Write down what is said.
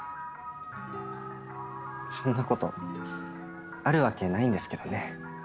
そんなことあるわけないんですけどね。